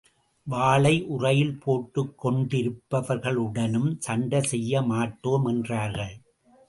வாளை உறையில் போட்டுக் கொண்டிருப்பவர்களுடனும் சண்டை செய்ய மாட்டோம் என்றார்கள்.